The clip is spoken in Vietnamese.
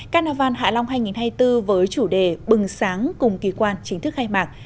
carnival hạ long hai nghìn hai mươi bốn với chủ đề bừng sáng cùng kỳ quan chính thức khai mạc